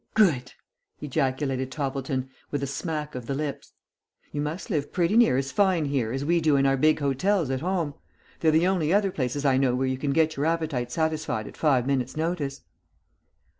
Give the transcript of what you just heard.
"Good!" ejaculated Toppleton, with a smack of the lips. "You must live pretty near as fine here as we do in our big hotels at home. They're the only other places I know where you can get your appetite satisfied at five minutes' notice."